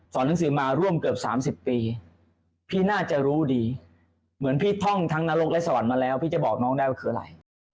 หนังสือมาร่วมเกือบ๓๐ปีพี่น่าจะรู้ดีเหมือนพี่ท่องทั้งนรกและสวรรค์มาแล้วพี่จะบอกน้องได้ว่าคืออะไร